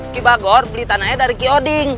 kibagor beli tanahnya dari kio oding